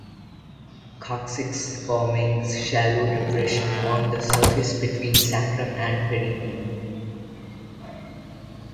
Coccyx forming shallow depression on the surface between sacrum and perineum.